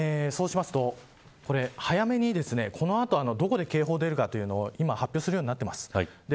そうしますと、早めにこの後どこで警報が出るかというのを今、発表するようになっています。